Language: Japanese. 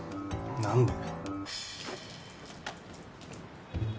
何で？